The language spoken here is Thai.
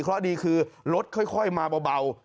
เพราะดีคือรถค่อยมาเบา